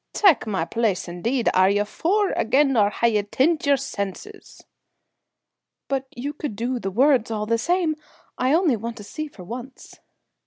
Tak' my place, indeed! Are ye fou again, or hae ye tint your senses?" "But you could do the words all the same. I only want to see for once."